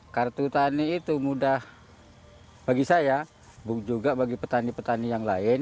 kartu tani itu mudah bagi saya juga bagi petani petani yang lain